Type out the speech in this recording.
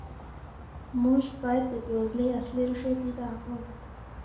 موږ باید د بېوزلۍ اصلي ریښې پیدا کړو.